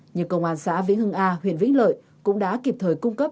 nhưng công an xã vĩnh hưng a huyện vĩnh lợi cũng đã kịp thời cung cấp